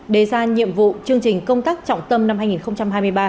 đề ra nhiệm vụ chương trình công tác trọng tâm năm hai nghìn hai mươi ba